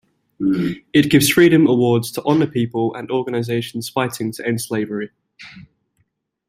It gives Freedom Awards to honour people and organisations fighting to end slavery.